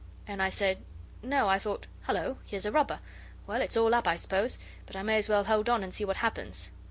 And I said, 'No; I thought, "Hullo! here's a robber! Well, it's all up, I suppose, but I may as well hold on and see what happens."